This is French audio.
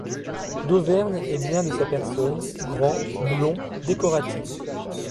Dauvergne est bien de sa personne, grand, blond, décoratif.